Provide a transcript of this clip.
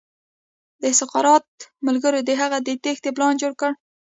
د سقراط ملګرو د هغه د تېښې پلان جوړ کړ.